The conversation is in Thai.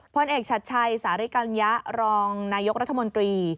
พลเอกชัดชัยสาริกัญญะรองนายกรัฐมนตรี